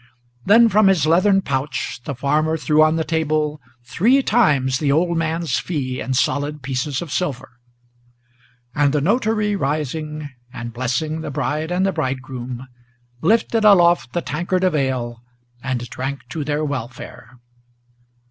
Then from his leathern pouch the farmer threw on the table Three times the old man's fee in solid pieces of silver; And the notary rising, and blessing the bride and the bridegroom, Lifted aloft the tankard of ale and drank to their welfare.